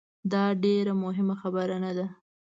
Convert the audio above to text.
داډیره مهمه خبره نه ده